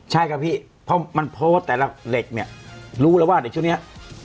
ใช่ครับพี่เพราะมันโพสต์แต่ละเหล็กเนี่ยรู้แล้วว่าเด็กช่วงนี้